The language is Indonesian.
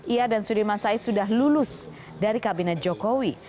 ia dan sudirman said sudah lulus dari kabinet jokowi